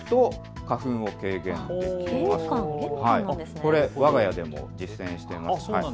これ、わが家でも実践しています。